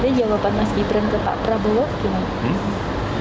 jadi jawaban mas gibran ke pak prabowo gini